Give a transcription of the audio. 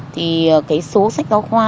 thì cái số sách giao khoa